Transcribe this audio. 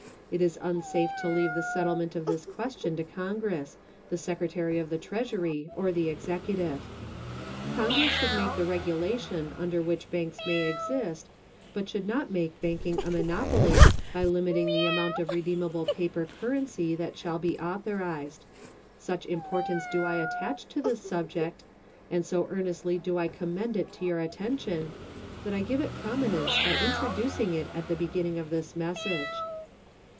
It is unsafe to leave the settlement of this question to Congress, the Secretary of the Treasury, or the Executive. Congress should make the regulation under which banks may exist, but should not make banking a monopoly by limiting the amount of redeemable paper currency that shall be authorized. Such importance do I attach to this subject, and so earnestly do I commend it to your attention, that I give it prominence by introducing it at the beginning of this message.